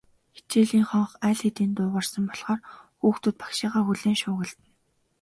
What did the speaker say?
Хичээлийн хонх аль хэдийн дуугарсан болохоор хүүхдүүд багшийгаа хүлээн шуугилдана.